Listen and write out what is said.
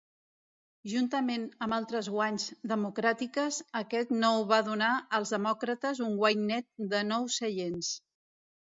Juntament amb altres guanys democràtiques, aquest nou va donar als demòcrates un guany net de nou seients.